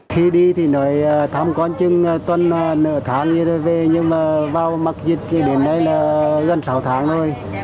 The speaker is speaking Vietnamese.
khi đi thì nói thăm con chung tuần nửa tháng rồi về nhưng mà vào mắc dịch đến đây là gần sáu tháng rồi